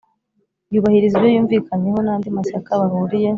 yubahiriza ibyo yumvikanyeho n'andi mashyaka bahuriye